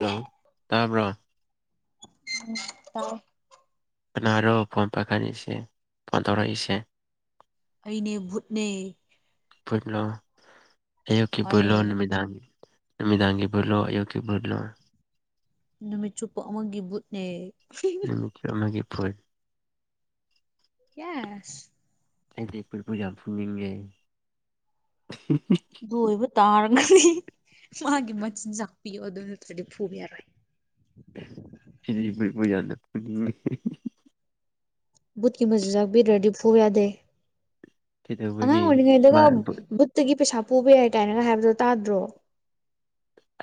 Hello ꯇꯥꯕ꯭ꯔꯣ ꯑ ꯀꯅꯥꯗꯣ ꯐꯣꯟ ꯄꯥꯏꯈꯠꯁꯦ ꯐꯣꯟ ꯇꯧꯔꯛꯏꯁꯦ ꯑꯩꯅꯦ ꯚꯨꯠꯅꯦ ꯄꯨꯂꯣ ꯑꯌꯨꯀꯤ ꯃꯥꯅꯦ ꯄꯨꯂꯣꯃꯤꯗꯥ ꯅꯨꯃꯤꯗꯥꯡꯒꯤ ꯔꯂꯣ ꯑꯌꯨꯀꯤ ꯠꯂꯣ ꯅꯨꯃꯤꯠ ꯆꯨꯞꯄ ꯑꯃꯒꯤ ꯕꯨꯠꯅꯦ ꯅꯨꯃꯤꯠꯇ ꯑꯃꯒꯤꯒꯤ ꯐꯣꯏ ꯌꯥꯁ ꯑꯩꯗꯤꯄꯕꯨꯖꯥ ꯐꯅꯤꯡꯒꯦ ꯑꯣꯏꯕꯨ ꯇꯥꯔ ꯃꯥꯒꯤ ꯃꯆꯤꯟꯖꯥꯛ ꯄꯤꯌꯣ ꯑꯗꯨ ꯅꯠꯇ꯭ꯔꯗꯤ ꯐꯨꯕ ꯌꯥꯔꯣꯏ ꯖꯔꯂꯦ ꯕꯨꯊꯀꯤ ꯃꯖꯤꯖꯕꯤ ꯔꯦꯗꯤ ꯐꯨꯕ ꯌꯥꯗꯦ ꯑꯉꯥꯡ ꯀꯩꯗꯧꯕꯒꯤ ꯃꯥ ꯑꯣꯏꯔꯤꯉꯩꯗꯒ ꯕꯨꯠ ꯕꯨꯠꯇꯒꯤ ꯄꯩꯁꯥ ꯄꯨꯕ ꯌꯥꯏ ꯀꯥꯏꯅꯒ ꯍꯥꯏꯕꯗꯨꯣ ꯇꯥꯗ꯭ꯔꯣ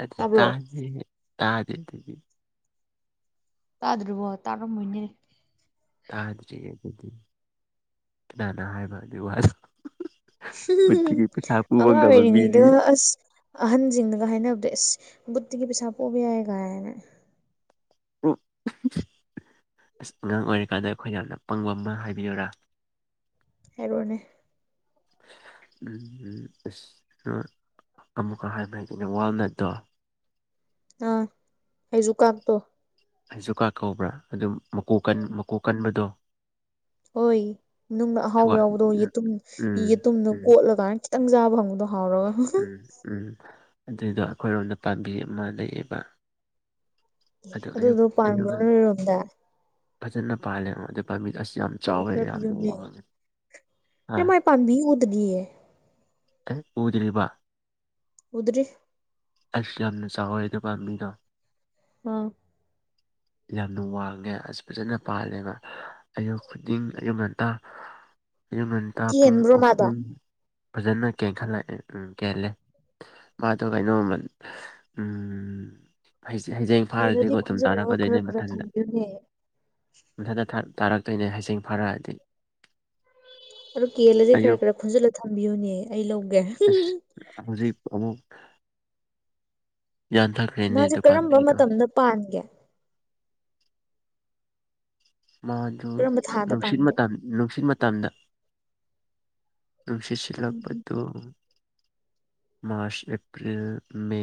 ꯑ ꯇꯥꯕ꯭ꯔꯣ ꯇꯥꯖꯦ ꯇꯥꯖꯕꯤ ꯇꯥꯗ꯭ꯔꯤꯕꯣ ꯇꯥꯔꯝꯃꯣꯏꯅꯦ ꯍꯥꯏꯗꯤ ꯀꯅꯥꯅꯣ ꯍꯥꯏꯕ ꯑꯗꯨ ꯋꯥꯗꯦ ꯝ ꯑꯉꯥꯡ ꯑꯣꯏꯔꯤꯉ ꯏꯗ ꯃꯤꯗꯤ ꯑꯁ ꯑꯍꯟꯁꯤꯡꯗꯒ ꯍꯥꯏꯅꯕꯗ ꯑꯁ ꯕꯨꯠꯇꯒꯤ ꯄꯩꯁꯥ ꯄꯣꯛꯕ ꯌꯥꯏ ꯀꯥꯏ ꯍꯥꯏꯅ ꯑꯣ ꯑꯁ ꯑꯉꯥꯡ ꯑꯣꯏꯔꯤꯀꯥꯟꯗ ꯑꯩꯈꯣꯏꯅ ꯌꯥꯝꯅ ꯄꯪꯕ ꯑꯃ ꯍꯥꯏꯕꯤꯌꯔꯥ ꯍꯥꯏꯔꯅꯦ ꯎꯝ ꯑ ꯑꯃꯨꯛꯀ ꯍꯥꯏꯕ ꯍꯥꯏꯛꯇꯅꯦ ꯋꯥꯔ ꯅꯠꯇꯣ ꯑꯥ ꯑꯩꯖꯨꯀꯥꯟ ꯇꯣ ꯑꯁꯨ ꯀꯥ ꯀꯧꯕ꯭ꯔꯥ ꯑꯗꯨ ꯃꯀꯣꯛ ꯃꯀꯣꯛ ꯀꯟꯕꯗꯣ ꯍꯣꯏ ꯅꯨꯡꯅ ꯑꯍꯥꯎ ꯑꯗꯨꯒ ꯌꯥꯎꯕꯗꯣ ꯌꯦꯇꯨꯝ ꯎꯝ ꯌꯦꯇꯨꯝꯗꯣ ꯎꯝ ꯀꯣꯠꯂꯒꯅ ꯈꯤꯪ ꯆꯥꯕꯪꯗꯣ ꯎꯝ ꯎꯝ ꯑꯗꯨꯏꯗꯣ ꯑꯩꯈꯣꯏꯔꯣꯝꯗ ꯄꯥꯝꯕꯤ ꯑꯃ ꯂꯩꯌꯦꯕ ꯑꯦ ꯑꯗꯨ ꯑꯌꯨꯛ ꯑꯗꯨꯗꯣ ꯑꯌꯨꯛ ꯄꯥꯟꯕ꯭ꯔꯣ ꯅꯣꯏꯔꯣꯝꯗ ꯐꯖꯅ ꯄꯥꯜꯂꯦ ꯑꯗꯨ ꯄꯥꯝꯕꯤꯗꯣ ꯑꯁ ꯌꯥꯝ ꯆꯥꯎꯋꯦ ꯌꯥꯝꯅ ꯋꯥꯡꯉꯦ ꯑ ꯌꯥꯝꯃ ꯄꯥꯕꯤ ꯎꯗꯒꯤ ꯑꯦ ꯑꯦ ꯎꯗꯔꯤꯕ ꯎꯗꯔꯤ ꯑꯁꯌꯥ ꯅ ꯁꯥꯍꯍꯤꯗꯕꯥ ꯂꯤꯗꯥ ꯑꯥ ꯌꯥꯝꯅ ꯋꯥꯡꯉꯦ ꯑꯁ ꯐꯖꯅ ꯄꯥꯜꯂꯦꯕ ꯑꯌꯨꯛ ꯈꯨꯗꯤꯡ ꯑꯌꯨꯛ ꯉꯟꯇꯥ ꯑꯌꯨꯛ ꯉꯟꯇꯥ ꯄꯨꯡ ꯀꯦꯟꯕ꯭ꯔꯣ ꯃꯥꯗꯣ ꯑꯍꯨꯝ ꯐꯖꯅ ꯀꯦꯟꯈꯠꯂꯛꯑꯦ ꯎꯝ ꯀꯦꯍꯜꯂꯦ ꯃꯥꯗꯣ ꯀꯩꯅꯣꯃ ꯎꯝ ꯍꯩꯖꯡ ꯀꯦꯜꯂꯗꯤ ꯐꯥꯔꯗꯤꯀꯣ ꯑꯗꯨꯝ ꯈꯨꯟꯖꯤꯜꯂꯒ ꯈꯔ ꯇꯥꯔꯛꯀꯗꯣꯏꯅꯦ ꯈꯔ ꯃꯊꯟꯗ ꯊꯝꯕꯤꯌꯨꯅꯦ ꯃꯊꯟꯇ ꯇꯥꯔꯛꯇꯣꯏꯅꯦ ꯍꯖꯤꯡ ꯐꯔꯛꯑꯗꯤ ꯑꯣ ꯀꯦꯜꯂꯗꯤ ꯈꯔ ꯈꯔ ꯐꯟꯖꯤꯜꯂ ꯊꯝꯕꯤꯌꯨꯅꯦ ꯑꯩ ꯂꯧꯒꯦ ꯍꯧꯖꯤꯞ ꯑꯃꯨꯛ ꯌꯥꯟꯊꯈ꯭ꯔꯦꯅꯦ ꯃꯥꯁꯦ ꯑꯗꯨ ꯀꯔꯝꯕ ꯄꯥꯝꯕꯤꯗꯣ ꯃꯇꯝꯗ ꯄꯥꯟꯒꯦ ꯃꯥꯗꯨ ꯀꯔꯝꯕ ꯊꯥꯗ ꯅꯨꯡꯁꯤꯠ ꯄꯥꯟꯒꯦ ꯃꯇꯝ ꯅꯨꯡꯁꯤꯠ ꯃꯇꯝꯗ ꯎꯝ ꯅꯨꯡꯁꯤꯠꯁꯤꯜꯂꯛꯄꯗ [unintelligible] March April May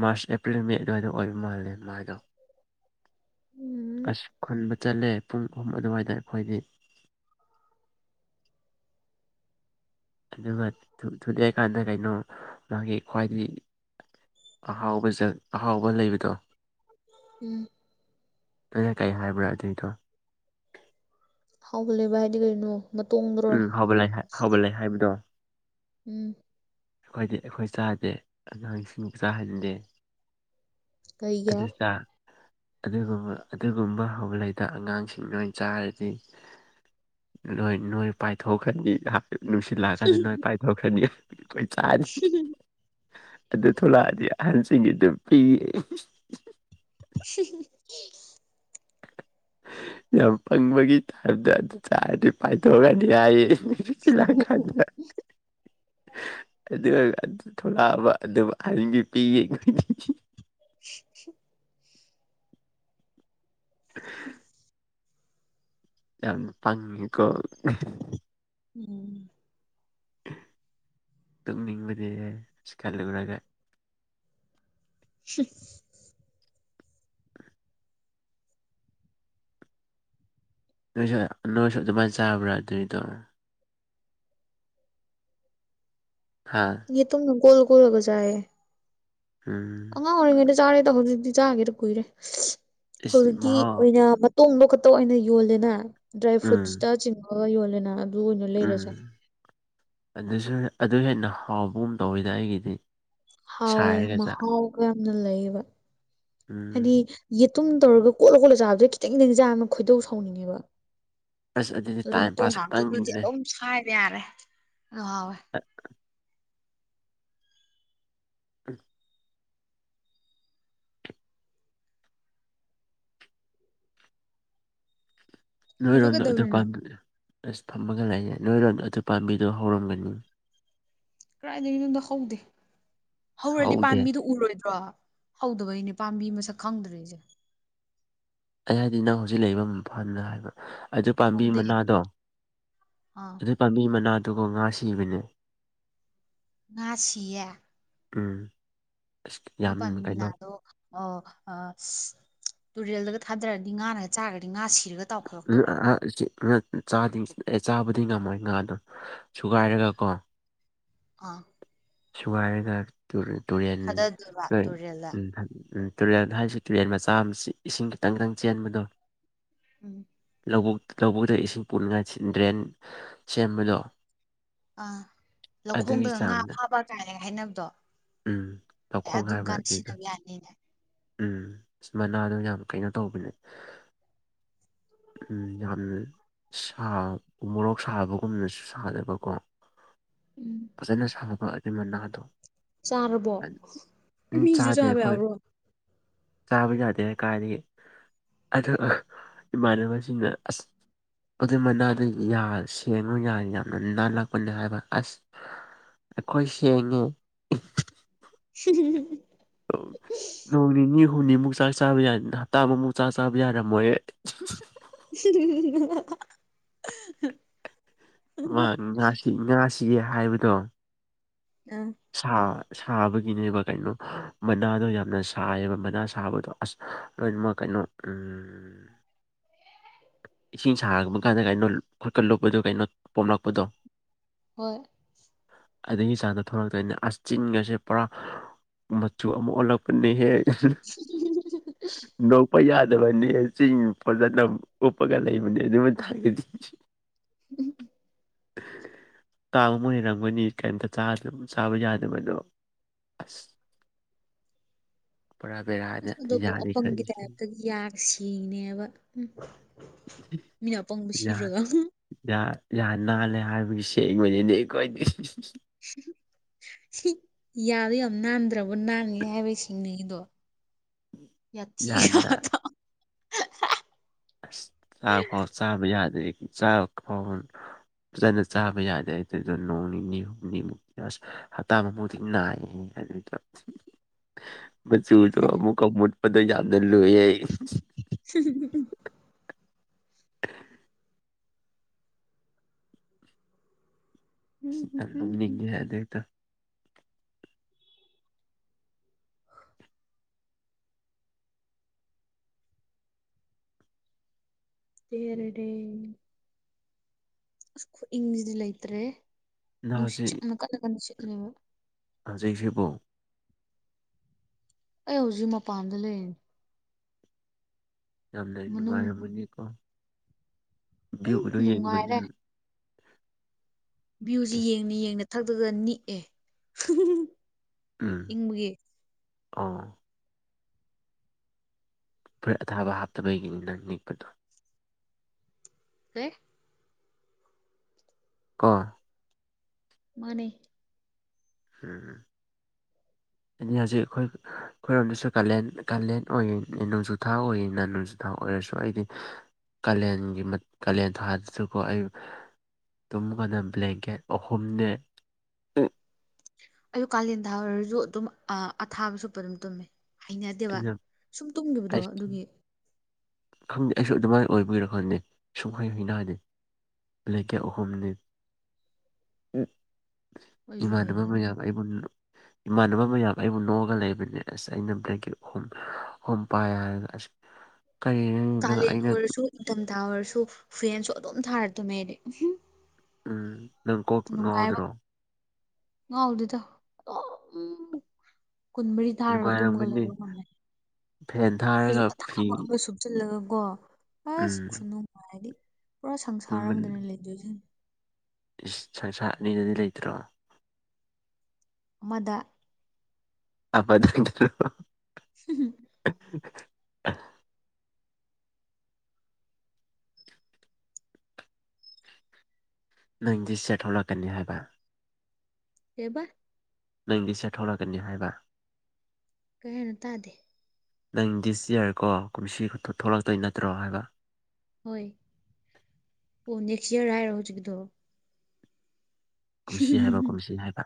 March April May ꯑꯗꯨꯋꯥꯏꯗ ꯑꯣꯏꯕ ꯃꯥꯜꯂꯦ ꯃꯥꯥꯏꯗꯣ ꯎꯝ ꯑꯁ ꯈꯨꯟꯕ ꯆꯠꯂꯦ ꯄꯨꯡ ꯑꯍꯨꯝ ꯑꯗꯨꯋꯥꯏꯗ ꯑꯩꯈꯣꯏꯗꯤ [inaudible] ꯑꯗꯨꯒ ꯊꯨꯂꯛꯑ ꯀꯥꯟꯗ ꯀꯩꯅꯣ ꯃꯥꯒꯤ ꯈ꯭ꯋꯥꯏꯗꯒꯤ ꯑꯍꯥꯎꯕ ꯑꯍꯥꯎꯕ ꯂꯩꯕꯗꯣ ꯎꯝ ꯀꯩ ꯍꯥꯏꯕ꯭ꯔꯥ ꯑꯗꯨꯅꯤꯗꯣ ꯎꯂꯕ ꯍꯥꯏꯗꯤ ꯀꯔꯤꯩꯅꯣ ꯎꯝ ꯍꯕꯂ ꯍꯕ ꯂꯩ ꯍꯥꯏꯕꯗꯣ ꯎꯝ ꯑꯩꯈꯣꯏꯗꯤ ꯑꯩꯈꯣꯏ ꯆꯥꯗꯦ ꯑꯗ ꯍꯪꯁꯤꯡꯕꯨ ꯆꯥꯍꯟꯗꯦ ꯀꯩꯌꯥ ꯑꯗꯨ ꯆꯥ ꯑꯗꯨꯒꯨꯝꯕ ꯑꯗꯨꯒꯨꯝꯕ ꯍꯧꯒꯂꯗ ꯑꯉꯥꯡꯁꯤꯡ ꯂꯣꯏ ꯆꯥꯔꯗꯤ ꯅꯣꯏ ꯅꯣꯏ ꯄꯥꯏꯊꯣꯛꯈꯅꯤ ꯅꯨꯡꯁꯤꯠꯂꯥꯛꯑꯀꯥꯟꯗ ꯅꯣꯏ ꯄꯥꯏꯊꯣꯛꯈꯅꯤ ꯑꯩꯈꯣꯏ ꯆꯥꯔꯤ ꯑꯗꯨ ꯊꯂꯛꯑꯗꯤ ꯑꯍꯟꯁꯤꯡꯒꯤ ꯑꯗꯨꯝ ꯄꯤꯌꯦ ꯁꯤ ꯌꯥꯝ ꯄꯪꯕꯒꯤ ꯇꯥꯕꯗ ꯑꯗꯨ ꯆꯥꯔꯗꯤ ꯄꯥꯏꯊꯣꯛꯑꯑꯅꯤ ꯍꯥꯏꯌꯦ ꯎ ꯑꯗꯨꯔꯒ ꯊꯂꯛꯑꯕ ꯑꯗꯨ ꯑꯟꯒꯤ ꯄꯤ ꯌꯦꯈꯣꯏ [inaudible] [unintelligible] ꯌꯥꯝ ꯐꯉꯤꯀꯣ ꯎꯝ ꯇꯣꯛꯅꯤꯡꯕꯗꯤ ꯁꯤ ꯈꯜꯂꯨꯔꯒ ꯍ ꯅꯣꯏꯁꯨ ꯅꯣꯏꯁꯨ ꯑꯗꯨꯃꯥꯏꯅ ꯆꯥꯕ꯭ꯔꯥ ꯑꯗꯨꯏꯗꯣ ꯍꯥ ꯌꯦ ꯇꯅ ꯀꯣꯜꯒꯣꯂꯒꯖꯑ ꯎꯝ ꯑꯉꯥꯡ ꯑꯣꯏꯔꯤꯉꯩꯗ ꯆꯥꯔꯦꯗ ꯍꯧꯖꯤꯛꯇꯤ ꯆꯥꯒꯦꯗ ꯀꯨꯏꯔꯦ ꯏꯁ ꯍꯧꯖꯤꯛꯇꯤ ꯃꯍꯥꯎ ꯑꯣꯏꯅ ꯇꯣꯡꯕ ꯈꯛꯇ ꯑꯣꯏꯅ ꯌꯣꯜꯂꯦꯅ ꯗ꯭ꯔꯥꯏ ꯐ꯭ꯔꯨꯠꯁꯇ ꯎꯝ ꯆꯤꯡꯉꯒ ꯌꯣꯜꯂꯦꯅ ꯑꯗꯨ ꯑꯣꯏꯅ ꯂꯩꯔꯁꯥ ꯎꯝ ꯑꯗꯨꯁꯨ ꯑꯗꯨ ꯍꯦꯟꯅ ꯍꯥꯎꯕꯒꯨꯝ ꯇꯧꯋꯤꯗ ꯑꯩꯒꯤꯗꯤ ꯍꯥꯎꯋꯦ ꯁꯥꯏꯔꯒ ꯆꯥ ꯃꯍꯥꯎꯒ ꯌꯥꯝꯅ ꯂꯩꯕ ꯍꯥꯏꯗꯤ ꯎꯝ ꯑꯗꯨꯨꯝ ꯇꯧꯔꯒ ꯀꯣꯠꯂ ꯈꯣꯠꯂ ꯆꯥꯕꯗꯩ ꯈꯤꯇꯪ ꯅꯤꯡꯖꯥ ꯑꯃ ꯈꯣꯏꯗꯧ ꯁꯥꯎꯅꯤꯡꯉꯦꯕ ꯑꯁ ꯑꯗꯨꯗꯤ ꯑꯗꯨ ꯇꯥꯏꯝ ꯃꯇꯣ ꯄꯥꯁ ꯉꯥꯛꯇ ꯑꯗꯨꯗꯤ ꯈꯛꯇꯪꯒꯤꯅꯤꯅꯦ ꯑꯗꯨꯝ ꯁꯥꯏꯕ ꯌꯥꯔꯦ ꯑ ꯍꯥꯎꯋꯦ ꯎꯝ ꯍꯧꯖꯤꯛ ꯅꯣꯏꯔꯣꯗ ꯑꯗꯨ ꯀꯩꯗꯧꯔꯤꯅꯣ ꯄꯥꯟꯗꯨꯅꯦ ꯑꯁ ꯐꯝꯃꯒ ꯂꯩꯌꯦꯦ ꯅꯣꯏꯔꯣ ꯑꯗꯨ ꯄꯥꯝꯕꯤꯗꯣ ꯍꯧꯔꯝꯒꯅꯤ ꯀꯗꯥꯥꯏꯗꯒꯤꯅꯣꯗꯣ ꯍꯧꯗꯦ ꯍꯧꯔꯗꯤ ꯍꯧꯗꯦ ꯄꯥꯝꯕꯤꯗꯨ ꯎꯔꯣꯏꯗ꯭ꯔꯣ ꯍꯧꯗꯕꯩꯅꯦ ꯄꯥꯝꯕꯤ ꯃꯁꯛ ꯈꯪꯗ꯭꯭ꯔꯔꯤꯁꯦ ꯑꯩ ꯍꯥꯏꯗꯤ ꯅꯪ ꯍꯧꯖꯤꯛ ꯂꯩꯕ ꯃꯐꯝꯅ ꯍꯥꯏꯕ ꯑꯗꯨ ꯄꯥꯝꯕꯤ ꯍꯧꯗꯦ ꯃꯅꯥꯗꯣ ꯑꯥ ꯑꯗꯨ ꯄꯥꯝꯕꯤ ꯃꯅꯥꯗꯣ ꯑꯗꯨꯒ ꯉꯥ ꯁꯤꯕꯅꯦ ꯉꯥ ꯁꯤꯌꯦ ꯎꯝ ꯑꯁ ꯑꯗꯨ ꯌꯥꯝ ꯄꯥꯝꯕꯤ ꯀꯩꯅꯣ ꯃꯅꯥꯗꯣ ꯑꯣ ꯑ ꯇꯨꯔꯦꯜꯗꯒ ꯊꯥꯗꯔꯗꯤ ꯉꯥꯅꯒ ꯆꯥꯔꯗꯤ ꯉꯥ ꯁꯤꯔ [unintelligible] ꯆꯥꯕꯗꯤ ꯉꯝꯃꯣꯏ ꯉꯥꯗꯣ ꯁꯨꯒꯥꯏꯔꯒꯀꯣ ꯑꯥ ꯁꯨꯒꯥꯏꯔꯒ ꯇꯨꯔꯦꯟ ꯊꯥꯗꯗꯣꯏꯕ ꯂꯣꯏ ꯇꯨꯔꯦꯜꯗ ꯎꯝ ꯎꯝ ꯇꯨꯔꯦꯜ ꯍꯥꯏꯔꯤꯁꯤ ꯇꯨꯔꯦꯜ ꯃꯆꯥ ꯑꯃ ꯏꯁꯤꯡ ꯈꯤꯇꯪ ꯇꯪ ꯆꯦꯟꯕꯗꯣ ꯎꯝ ꯂꯧꯕ ꯂꯧꯕꯨꯛꯇ ꯏꯁꯤꯡ ꯄꯨꯅꯤꯡꯉꯥꯏ ꯗ꯭ꯔꯦꯟ ꯁꯦꯝꯕꯗꯣ ꯑꯥ ꯑꯗꯨꯒꯤ ꯂꯧꯈꯣꯡꯗꯒ ꯉꯥ ꯆꯥꯡꯗ ꯐꯥꯕ ꯀꯥꯏꯅ ꯍꯥꯏꯅꯕꯗꯣ ꯎꯝ ꯑꯦ ꯂꯧꯈꯣꯡ ꯑꯗꯨꯝ ꯍꯥꯏꯕ꯭ꯔꯥ ꯀꯥꯟꯗ ꯑꯗꯨꯏꯗꯣ ꯁꯤꯖꯤꯟꯅꯕ ꯌꯥꯅꯤꯅꯦ ꯎꯝ ꯃꯅꯥꯗꯣ ꯌꯥꯝ ꯀꯩꯅꯣ ꯇꯧꯕꯅꯦ ꯎꯝ ꯌꯥꯝ ꯁꯥ ꯃꯣꯔꯣꯛ ꯁꯥꯕꯒꯨꯝꯕꯅꯁꯨ ꯁꯥꯗꯕꯀꯣ ꯐꯖꯅ ꯁꯥꯕ ꯑꯗꯨ ꯃꯅꯥꯗꯣ ꯆꯥꯔꯕꯣ ꯃꯤꯁꯨ ꯆꯥꯕ ꯌꯥꯕ꯭ꯔꯣ ꯁꯥꯕ ꯌꯥꯗꯦ ꯀꯥꯢꯗꯒꯤ ꯑꯗ ꯏꯃꯥꯟꯅꯕꯁꯤꯡꯅ ꯑꯁ ꯑꯗꯨ ꯃꯅꯥꯗꯨ ꯌꯥ ꯁꯦꯡꯉꯨ ꯌꯥ ꯌꯥꯝꯅ ꯅꯥꯜꯂꯛꯄꯅꯦ ꯍꯥꯏꯕ ꯑꯁ ꯑꯩꯈꯣꯏ ꯁꯦꯡꯉꯦ [unintelligible] ꯅꯣꯡ ꯅꯤꯅꯤ ꯍꯨꯝꯅꯤꯃꯨꯛ ꯆꯥꯛ ꯆꯥꯕ ꯌꯥ ꯍꯞꯇꯥ ꯑꯃꯃꯨꯛ ꯆꯥꯛ ꯆꯥꯕ ꯌꯥꯔꯝꯃꯣꯏ ꯎ ꯃꯥ ꯉꯥꯁꯤꯒꯦ ꯍꯥꯏꯕꯗꯣ ꯑꯥ ꯁꯥ ꯁꯥꯕꯒꯤꯅꯦꯕ ꯀꯩꯅꯣ ꯃꯅꯥꯗꯣ ꯌꯥꯝꯅ ꯁꯥꯏꯌꯦꯕ ꯃꯅꯥ ꯁꯥꯕꯗꯣ ꯑꯁ ꯂꯣꯏꯅꯃꯛ ꯀꯩꯅꯣ ꯅ ꯎꯪ [inaudible] ꯏꯁꯤꯡ ꯁꯥꯔꯛꯄ ꯀꯥꯟꯗ ꯀꯩꯅꯣ ꯈꯣꯠꯀꯠꯂꯨꯕꯗꯣ ꯀꯩꯅꯣ ꯄꯣꯝꯂꯛꯄꯗꯣ ꯍꯣꯏ ꯑꯗꯒꯤ ꯆꯥꯡꯗ ꯊꯣꯛꯂꯛꯇꯣꯏꯅꯤ ꯑ ꯆꯤꯟꯒꯥꯁꯦ ꯄꯨꯔꯥ ꯃꯆꯨ ꯑꯃ ꯑꯣꯜꯂꯛꯄꯅꯤꯍꯦ ꯅꯣꯛꯄ ꯌꯥꯗꯕꯅꯤ ꯆꯤꯡ ꯐꯖꯅ ꯑꯣꯞꯄꯒ ꯂꯩ ꯃ ꯑꯗꯨ ꯑꯗꯨꯃ ꯊ ꯊꯁꯤ ꯎꯝ ꯎꯝ [unintelligible] ꯂꯩꯔꯝꯒꯅꯤ ꯀꯩꯔꯤꯝꯇ ꯆꯥꯗꯝ ꯆꯥꯕ ꯌꯥꯗꯕꯗꯣ ꯑꯁ [inaudible] ꯄꯨꯔꯥ ꯕꯦꯔꯥꯅꯦ ꯑꯁ ꯑꯗꯨꯕꯨ ꯌꯥꯅꯤ ꯑꯄꯪꯒꯤ ꯈꯜꯂꯤꯁꯦ ꯇꯥꯏꯞꯇꯒꯤ ꯌꯥꯒ ꯁꯦꯡꯉꯤꯅꯦꯕ ꯎꯝ ꯃꯤꯅ ꯑꯄꯪꯕ ꯌꯥ ꯁꯤꯔꯒ ꯌꯥ ꯌꯥ ꯅꯥꯂꯦ ꯍꯥꯏ ꯒꯤ ꯁꯦꯡꯕꯅꯤꯅꯦ ꯑꯩꯈꯣꯏꯗꯤ ꯌꯥꯗꯣ ꯌꯥꯝ ꯅꯥꯟꯗ꯭ꯔꯕ ꯅꯥꯟꯂꯦ ꯍꯥꯏꯕ ꯒꯤ ꯁꯦꯡꯅꯤꯉꯤꯗꯣ ꯌꯥꯝꯅ ꯌꯥꯊꯤꯉꯥꯇ ꯑꯁ ꯆꯥꯛ ꯐꯥꯎ ꯆꯥꯕ ꯌꯥꯗꯦ ꯆꯥ ꯐꯥꯎ ꯐꯖꯅ ꯆꯥꯕ ꯌꯥꯗꯦ ꯑꯗꯨꯗ ꯅꯣꯡ ꯅꯤꯅꯤ ꯍꯨꯝꯅꯤꯃꯨꯛꯛꯇ ꯑꯁ ꯍꯞꯇꯥ ꯑꯃꯕꯨꯨꯗꯤꯛ ꯅꯥꯏꯌꯦ ꯫ [unintelligible] [inaudible] ꯃꯆꯨ ꯗꯣ ꯑꯃꯨꯛꯀ ꯃꯨꯠꯄꯗꯌꯥꯝꯅ ꯂꯨꯏ [unintelligible] [unintelligible] ꯁꯤ ꯎꯝ ꯌꯥꯝ ꯍꯝ ꯍꯝ ꯂꯧꯝꯅꯤꯡꯉꯦ ꯑꯗꯩꯗ ꯆꯦꯔꯔꯦ ꯈꯨꯏꯪꯁꯤꯗꯤ ꯂꯩꯇꯔꯦꯍꯦ ꯅꯪ ꯅꯨꯡꯁꯠꯁꯦ ꯌꯥꯝ ꯀꯟꯅ ꯀꯟꯅ ꯁꯤꯠꯂꯦꯕ ꯍꯧꯖꯤꯛ ꯁꯤꯠꯄꯔꯣ ꯑꯩ ꯍꯧꯖꯤꯛ ꯃꯄꯥꯟꯗ ꯂꯩꯔꯤꯅꯤ ꯌꯥꯝꯅ ꯃꯅꯨꯡ ꯅꯨꯡꯉꯥꯏꯔꯝꯃꯅꯤꯀꯣ ꯎꯝ ꯨꯚꯏꯒꯗꯣ ꯌꯦꯡꯕꯅ ꯅꯨꯡꯉꯥꯏꯔꯦ ꯚ꯭ꯌꯨꯁꯤ ꯌꯦꯡꯅ ꯌꯦꯡꯅ ꯊꯛꯇꯒ ꯅꯤꯛꯑꯦ ꯏꯪꯕꯒꯤ ꯑꯥ ꯐꯨꯔꯤꯠ ꯑꯊꯥꯕ ꯍꯥꯞꯇꯕꯒꯤꯅꯤ ꯅꯪ ꯅꯤꯛꯄꯗꯣ ꯑꯦ ꯀꯣ ꯃꯥꯅꯦ ꯎꯝ [inaudible] ꯑ ꯍꯧꯖꯤꯛ ꯑꯩꯈꯣꯏ ꯑꯩꯈꯣꯏꯔꯣꯝꯗꯁꯨ ꯀꯥꯂꯦꯟ ꯀꯥꯂꯦꯟ ꯑꯣꯏꯔꯤ ꯅꯣꯡꯖꯨꯊꯥ ꯑꯣꯏꯔꯤꯅ ꯅꯣꯡꯖꯨꯊꯥ ꯑꯣꯏ ꯑꯣꯏꯔꯁꯨ ꯑꯩꯗꯤ ꯀꯥꯂꯦꯟꯒꯤ ꯀꯥꯂꯦꯟ ꯊꯥꯥꯗꯁꯨꯀꯣ ꯑꯩ ꯇꯨꯝꯒꯅ ꯕ꯭ꯂꯦꯡꯀꯦꯠ ꯑꯍꯨꯝꯅꯦ ꯑꯩ ꯀꯥꯂꯦꯟ ꯊꯥ ꯑꯣꯏꯔꯁꯨ ꯑꯗꯨꯝ ꯑꯊꯥꯕ ꯁꯨꯞꯄ ꯑꯗꯨꯝ ꯇꯨꯝꯃꯦ ꯍꯩꯅꯗꯦꯕ ꯑꯩꯅ ꯁꯨꯝ ꯇꯨꯝꯈꯤꯕꯗꯣ ꯑꯩ ꯑꯗꯨꯒꯤ ꯈꯪꯗꯦ ꯑꯩꯁꯨ ꯑꯗꯨꯃꯥꯏꯅ ꯑꯣꯏꯕꯒꯤꯔ ꯈꯪꯗꯦ ꯁꯨꯡꯍꯩ ꯍꯩꯅꯗꯦ ꯕꯪꯀꯦꯠ ꯑꯍꯨꯝꯅꯤ ꯑꯩꯁꯨ ꯏꯃꯥꯟꯅꯕ ꯍꯩꯅꯗꯦ ꯃꯌꯥꯝ ꯑꯩꯕꯨꯨ ꯏꯃꯥꯟꯅꯕ ꯃꯌꯥꯝ ꯑꯩꯕꯨ ꯅꯣꯛꯑꯒ ꯂꯩꯕꯅꯦ ꯑꯁ ꯑꯩꯅ ꯕꯪꯀꯦꯠ ꯍꯣꯝ ꯄꯥꯏ ꯍꯥꯏꯔꯒ ꯑꯁꯤ ꯀꯥꯂꯦꯟ ꯑꯣꯏꯔꯁꯨ ꯢꯪꯊꯝꯊꯥ ꯑꯣꯏꯔꯁꯨ ꯐꯦꯟꯁꯨ ꯑꯗꯨꯝ ꯊꯥꯔ ꯇꯨꯝꯃꯦ ꯑꯩꯗꯤ ꯎꯝ ꯅꯪ ꯀꯣꯛ ꯅꯨꯡꯉꯥꯏꯕ ꯉꯥꯎꯗ꯭ꯔꯣ ꯉꯥꯎꯗꯦꯗ ꯀꯨꯟ ꯃꯔꯤ ꯊꯥꯔꯒ ꯇꯨꯝꯃꯒ ꯅꯨꯡꯉꯥꯏꯔꯝꯒꯅꯤ ꯂꯩꯕ ꯉꯝꯃꯦ ꯐꯦꯟ ꯊꯥꯔꯒ ꯐꯩꯖꯨꯞ ꯐꯤ ꯑꯊꯥꯕ ꯑꯃ ꯁꯨꯞꯆꯜꯂꯒ ꯀꯣ ꯑꯁ ꯎꯝ ꯈꯨꯅꯨꯡꯉꯥꯏꯗꯤ ꯄꯨꯔꯥ ꯁꯪꯁꯥꯔ ꯇꯨꯝꯕꯟ ꯑꯃꯗꯅꯦ ꯂꯩꯗꯣꯏꯖꯦ ꯏꯁ ꯁꯪꯁꯥꯠ ꯑꯅꯤꯗꯗꯤ ꯂꯩꯇ꯭ꯔꯣ ꯑꯃꯗ ꯑꯃꯗ [unintelligible] [unintelligible] ꯅꯪꯗꯤ ꯁꯦꯠ ꯊꯣꯛꯂꯛꯀꯅꯤ ꯍꯥꯏꯕ ꯀꯩꯕ ꯅꯪꯗꯤ ꯁꯦꯊꯣꯔꯛꯀꯅꯤ ꯍꯥꯏꯕ ꯀꯩ ꯍꯥꯏꯅꯣ ꯇꯥꯗꯦ ꯅꯪ ꯗꯤꯁ ꯌꯥꯔ ꯀꯣ ꯀꯨꯝꯁꯤ ꯊꯣ ꯊꯣꯛꯂꯛꯇꯣꯏ ꯅꯠꯇ꯭ꯔꯣ ꯍꯥꯏꯕ ꯍꯣꯏ ꯑꯣ ꯅꯦꯛꯁ ꯌꯔ ꯍꯥꯏꯔꯣ ꯍꯧꯖꯤꯛꯀꯤꯗꯣ ꯀꯨꯝꯁꯤ ꯍꯥꯏꯕ ꯀꯨꯝꯁꯤ ꯍꯥꯏꯕ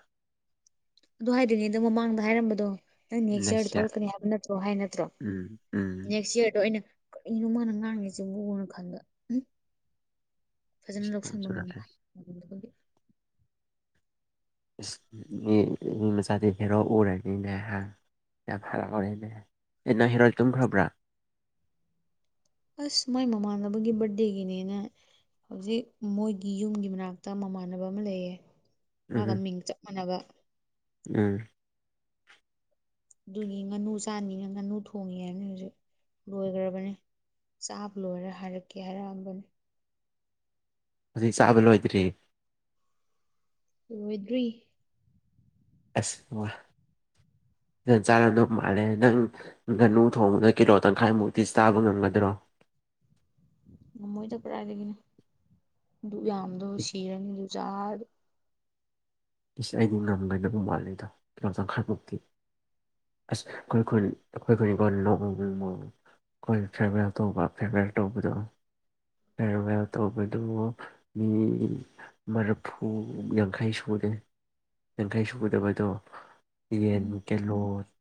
ꯑꯗꯨ ꯍꯥꯏꯗ꯭ꯔꯤꯉꯩꯗ ꯃꯃꯥꯡꯗ ꯍꯥꯏꯔꯝꯕꯗꯣ ꯅꯪ ꯅꯦꯛꯁ ꯌꯥꯔꯗ ꯊꯣꯛꯂꯛꯀꯅꯤ ꯍꯥꯏꯕ ꯅꯠꯇ꯭ꯔꯣ ꯍꯥꯏ ꯅꯠꯇ꯭ꯔꯣ ꯎꯝ ꯎꯝ ꯅꯦꯛꯁ ꯌꯥꯔꯗꯣ ꯑꯩꯅ ꯀꯔꯤꯅꯣ ꯃꯥꯅ ꯉꯥꯡꯉꯁꯤꯕꯨꯅ ꯈꯟꯕ ꯐꯖꯅ ꯏꯁ ꯅꯣꯡ ꯂꯧꯁꯟꯕ ꯉꯝ ꯆꯨꯔꯛꯑꯦ ꯍꯩ ꯉꯝꯗꯕꯒꯤ ꯏꯁ ꯃꯤ ꯃꯆꯥꯗꯤ ꯍꯦꯔꯣ ꯎꯔꯅꯤꯅꯦ ꯍꯥ ꯌꯥꯝ ꯍꯔꯥꯎꯔꯦꯅꯦ ꯑꯦ ꯅꯣꯏ ꯍꯦꯔꯣꯗꯤ ꯇꯨꯝꯈ꯭ꯔꯥꯕ꯭ꯔꯥ ꯑꯁ ꯃꯥꯏ ꯃꯃꯥꯟꯅꯕꯒꯤ ꯕꯔꯗꯗꯦꯒꯤꯅꯦꯅ ꯍꯧꯖꯤꯛ ꯃꯣꯏꯒꯤ ꯌꯨꯝꯒꯤ ꯃꯅꯥꯛꯇ ꯃꯃꯥꯟꯅꯕ ꯑꯃ ꯂꯩꯌꯦ ꯎꯝ ꯃꯥꯒ ꯃꯤꯡ ꯆꯞ ꯃꯥꯟꯅꯕ ꯎꯝ ꯑꯗꯨꯒꯤ ꯉꯥꯅꯨ ꯆꯥꯅꯤꯅ ꯉꯥꯅꯨ ꯊꯣꯡꯉꯤ ꯍꯥꯏꯕꯅꯦ ꯍꯧꯖꯤꯛ ꯂꯣꯏꯒ꯭ꯔꯕꯅꯦ ꯆꯥꯕ ꯂꯣꯏꯔ ꯍꯥꯏꯔꯛꯀꯦ ꯍꯥꯢꯔꯛ ꯑꯝꯕꯅꯦ ꯍꯧꯖꯤꯛ ꯆꯥꯕ ꯂꯣꯏꯗ꯭ꯔꯤ ꯂꯣꯏꯗ꯭ꯔꯤ ꯑꯁ [inaudible] ꯆꯥꯔꯝꯗꯧ ꯃꯥꯜꯂꯦ ꯅꯪ ꯉꯥꯅꯨ ꯊꯣꯡꯕꯗ ꯀꯤꯂꯣ ꯇꯪꯈꯥꯏꯃꯨꯛꯇꯤ ꯆꯥꯕ ꯉꯝꯒꯗ꯭ꯔꯣ [inaudible] ꯉꯃꯣꯏꯗ ꯀꯔꯥꯢꯗꯒꯤꯅꯦ ꯑꯗꯨ ꯌꯥꯝꯗꯣ ꯁꯤꯔꯅꯤ ꯑꯗꯨ ꯆꯥꯔꯗꯤ ꯏꯁꯁ ꯑꯩꯗꯤ ꯉꯝꯒꯗꯕ ꯃꯥꯜꯜꯂꯤꯗ ꯀꯤꯂꯣ ꯇꯪꯈꯥꯏꯃꯨꯛꯇꯤ ꯑꯁ ꯈꯣꯏ ꯈꯨꯟ ꯑꯩꯈꯣꯏ ꯈꯨꯟ ꯀꯣ [unintelligible] ꯑꯩꯈꯣꯏ ꯐꯦꯔꯋꯦꯜ ꯇꯧꯕ ꯐꯦꯔꯋꯦꯜ ꯇꯧꯕꯗꯣ ꯐꯦꯔꯋꯦꯜ ꯇꯧꯕꯗꯨ ꯃꯤ ꯃꯥꯔꯐꯨ ꯌꯥꯡꯈꯩ ꯁꯨꯔꯦ ꯌꯥꯡꯈꯩ ꯁꯨꯒꯗꯕꯗꯣ ꯌꯦꯟ ꯎꯝ ꯀꯤꯂꯣ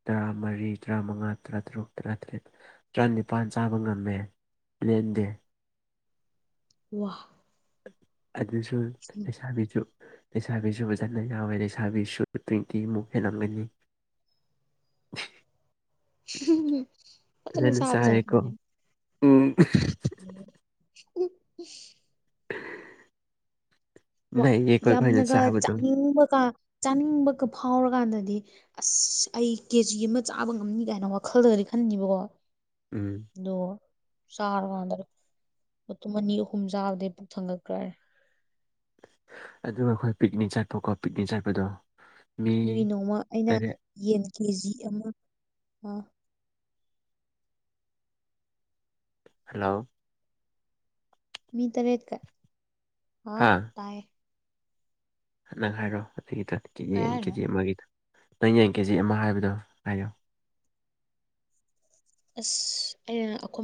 ꯇꯔꯥꯃꯔꯤ ꯇꯔꯥꯃꯉꯥ ꯇꯔꯥꯇꯔꯨꯛ ꯇꯔꯥꯇꯔꯦꯠ ꯇꯔꯥꯅꯤꯄꯥꯜ ꯆꯥꯕ ꯉꯝꯃꯦ ꯂꯦꯟꯗꯦ ꯋꯥ ꯑꯗꯁꯨ ꯂꯩꯁꯥꯕꯤꯁꯨ ꯂꯩꯁꯥꯕꯤꯁꯨ ꯐꯖꯅ ꯌꯥꯎꯋꯦ ꯂꯩꯁꯥꯕꯤꯁꯨ ꯇ꯭ꯋꯦꯟꯇꯤꯃꯨꯛ ꯍꯦꯟꯂꯝꯒꯅꯤ [inaudible] ꯐꯖꯟꯅ ꯆꯥꯔꯦꯀꯣ ꯆꯥꯕꯖꯥꯠꯅꯤꯅꯦ [inaudible] ꯋꯥ ꯅꯩꯌꯦꯀꯣ ꯑꯩꯈꯣꯏꯅ ꯌꯥꯝꯅꯒ ꯆꯥꯕꯗꯣ ꯆꯥꯅꯤꯡꯕꯀꯥ ꯆꯥꯅꯤꯡꯕꯒ ꯐꯥꯎꯔꯀꯥꯟꯗꯗꯤ ꯑꯁ ꯑꯩ ꯀꯦꯖꯤ ꯑꯃ ꯆꯥꯕ ꯉꯝꯅꯤ ꯀꯥꯏꯅ ꯋꯥꯈꯜꯗꯒꯗꯤ ꯈꯟ ꯅꯤꯕꯀꯣ ꯎꯝ ꯗꯣ ꯆꯥꯔꯀꯥꯟꯗ ꯃꯇꯨꯝ ꯑꯅꯤ ꯑꯍꯨꯝ ꯆꯥꯕꯗꯩ ꯄꯨꯛ ꯊꯪꯒꯛꯈ꯭ꯔꯅꯤ ꯑꯗꯨꯒ ꯑꯩꯈꯣꯏ ꯄꯤꯛꯅꯤꯛ ꯆꯠꯄꯀꯣ ꯄꯤꯛꯅꯤꯛ ꯆꯠꯄꯗꯣ ꯃꯤ ꯅꯒꯤ ꯅꯣꯡꯃ ꯑꯩꯅ ꯇꯔꯦꯠ ꯌꯦꯟ ꯀꯦ ꯖꯤ ꯑꯃ ꯍꯜꯂꯣ ꯃꯤ ꯇꯔꯦꯠ ꯀ ꯍꯥ ꯇꯥꯏ ꯅ ꯅꯪ ꯍꯥꯏꯔꯛꯑꯣ ꯑꯗꯨꯒꯤꯗ ꯀꯌꯥ ꯌꯦꯟ ꯀꯦꯖꯤ ꯍꯥꯏꯅꯣ ꯀꯦꯖꯤ ꯑꯃꯒꯤꯗꯣ ꯅꯪ ꯌꯦꯡ ꯀꯦꯖꯤ ꯑꯃ ꯍꯥꯏꯕꯗꯣ ꯍꯥꯏꯌꯨ ꯑꯁ ꯑꯩꯅ